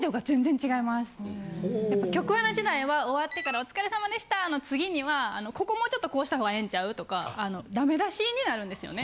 やっぱ局アナ時代は終わってからお疲れ様でしたの次にはここもうちょっとこうした方がええんちゃうとかダメ出しになるんですよね